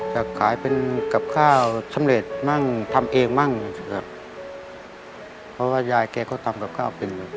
อยากขายเป็นกับข้าวสำเร็จมั่งทำเองมั่งแบบเพราะว่ายายแกก็ทำกับข้าวเป็น